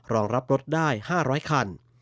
รองรับรถได้๕๐๐คัน